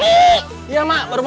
ketibaan gajah kamu baru tahu